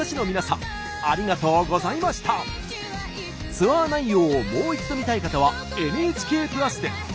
ツアー内容をもう一度見たい方はＮＨＫプラスで！